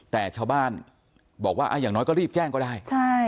แต่ชาวบ้านบอกว่าอย่างน้อยก็รีบแจ้งก็ได้